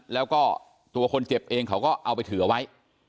แล้วก็ตัวคนเจ็บเองเขาก็เอาไปถือเอาไว้